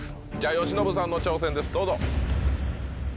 由伸さんの挑戦ですどうぞ。